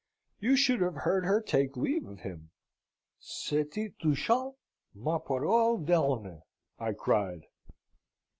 "You should have heard her take leave of him. C'etait touchant, ma parole d'honneur! I cried.